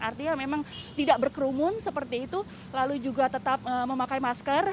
artinya memang tidak berkerumun seperti itu lalu juga tetap memakai masker